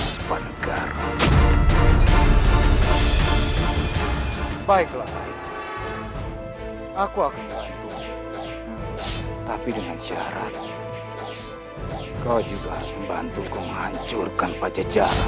sepanjang baiklah aku akan tapi dengan syarat kau juga membantuku hancurkan paja jalan